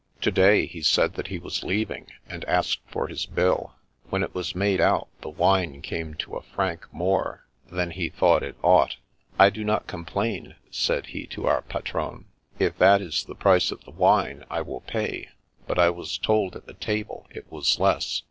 To day, he said that he was leaving, and asked for his bill. When it was made out, the wine came to a franc more than he thought it ought. * I do not complain,' said he to our patron; ' if that is the price of the wine, I will pay, but I was told at the table it was less.